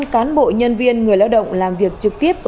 hai một trăm linh cán bộ nhân viên người lao động làm việc trực tiếp